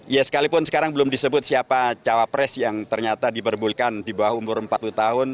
ya sekalipun sekarang belum disebut siapa cawapres yang ternyata diperbulkan di bawah umur empat puluh tahun